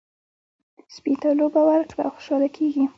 سپي ته لوبه ورکړه، خوشحاله کېږي.